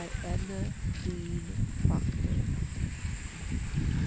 EDNA DEAN PROCTOR.